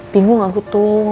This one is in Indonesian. bingung aku tuh